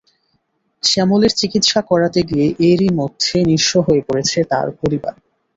শ্যামলের চিকিৎসা করাতে গিয়ে এরই মধ্যে নিঃস্ব হয়ে পড়েছে তাঁর পরিবার।